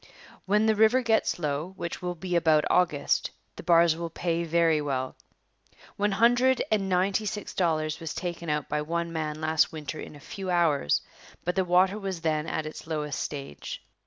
When the river gets low, which will be about August, the bars will pay very well. One hundred and ninety six dollars was taken out by one man last winter in a few hours, but the water was then at its lowest stage.